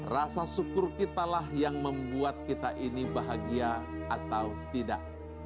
rasa syukur kitalah yang membuat kita ini bahagia atau tidak